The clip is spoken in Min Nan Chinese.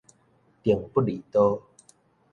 鄧不利多